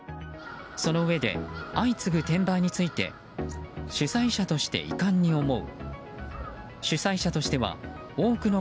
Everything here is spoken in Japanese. そのうえで相次ぐ転売について主催者として遺憾に思う。